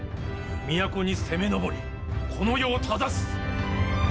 都に攻め上りこの世を正す。